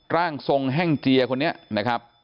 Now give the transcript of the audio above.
ร่างทรงแห้งเจียคนนี้นะครับ